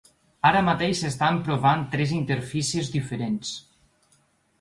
Ara mateix s’estan provant tres interfícies diferents.